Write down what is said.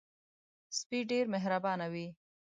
سپي ډېر مهربانه وي.